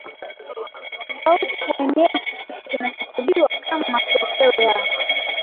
tofauti huenea kuhusu kinachochukuliwa kama matokeo ya